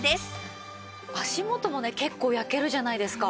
足元もね結構焼けるじゃないですか。